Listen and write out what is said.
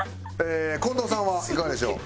近藤さんはいかがでしょう？